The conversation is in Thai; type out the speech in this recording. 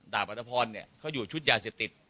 อัตภพรเขาอยู่ชุดยาเสพติด